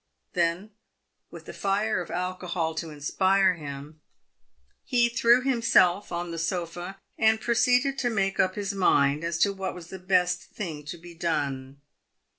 Then, with the fire of alcohol to inspire him, he threw himself on the sofa, and proceeded to make up his mind as to what was the best thing to be done.